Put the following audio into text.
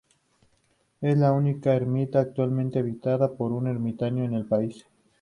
Es la única ermita actualmente habitada por un ermitaño en el país.